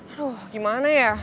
aduh gimana ya